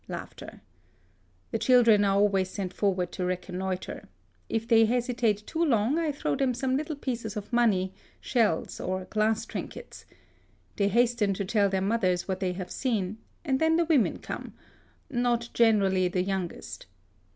'' (Laugh ter.) " The children are always sent forward to reconnoitre. If they hesitate too long, I throw them some little pieces of money, shells, or gla^s trinkets. They hasten to tell their mothers what they have seen ; and then the women come — ^not generally the youngest."